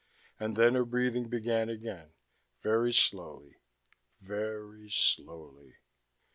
and then her breathing began again, very slowly, very slowly.